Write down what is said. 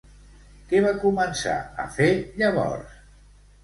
Què va començar a fer llavors?